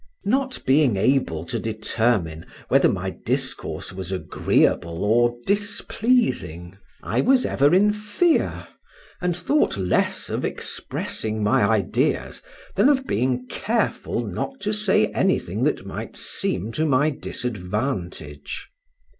Not being able to determine whether my discourse was agreeable or displeasing, I was ever in fear, and thought less of expressing my ideas, than of being careful not to say anything that might seem to my disadvantage.